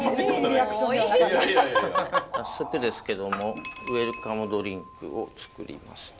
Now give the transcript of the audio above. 早速ですけどもウェルカムドリンクを作りますね。